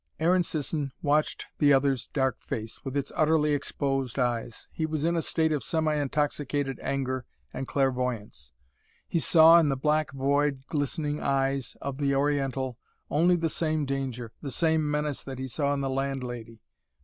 Aaron Sisson watched the other's dark face, with its utterly exposed eyes. He was in a state of semi intoxicated anger and clairvoyance. He saw in the black, void, glistening eyes of the oriental only the same danger, the same menace that he saw in the landlady.